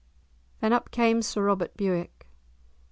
Then up came Sir Robert Bewick.